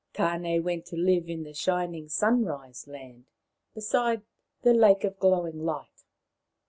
Tan6 went to live in the shining Sunrise Land, beside the Lake of Glowing Light.